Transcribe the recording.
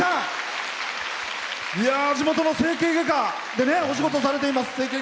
地元の整形外科でお仕事されています。